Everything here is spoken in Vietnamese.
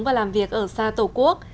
và làm việc ở xa tổ quốc